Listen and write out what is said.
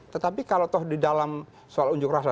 tetapi kalau toh di dalam soal unjuk rasa